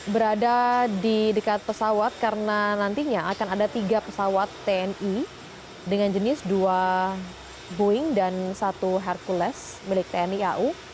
berada di dekat pesawat karena nantinya akan ada tiga pesawat tni dengan jenis dua boeing dan satu hercules milik tni au